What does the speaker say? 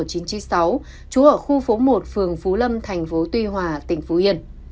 trú ở khu phố một phường phú lâm thành phố tuy hòa tỉnh phú yên